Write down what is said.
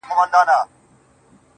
يې ه ځكه مو په شعر كي ښكلاگاني دي.